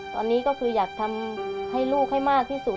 ตอนนี้ก็คืออยากทำให้ลูกให้มากที่สุด